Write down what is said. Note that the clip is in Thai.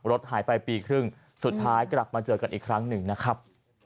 รถหายไปปีครึ่งสุดท้ายกลับมาเจอกันอีกครั้งหนึ่งนะครับ